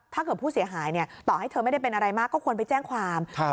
ถ้าเกิดผู้เสียหายต่อให้เธอไม่ได้เป็นอะไรมากก็ควรไปแจ้งความ